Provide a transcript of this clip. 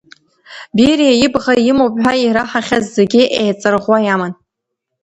Бериа ибӷа имоуп ҳәа ираҳахьаз зегьы еиҵарӷәӷәа иаман.